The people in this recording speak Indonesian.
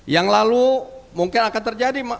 yang lalu mungkin akan terjadi